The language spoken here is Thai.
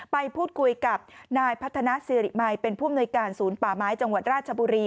ไปพูดคุยกับนายพัฒนาสิริมัยเป็นผู้อำนวยการศูนย์ป่าไม้จังหวัดราชบุรี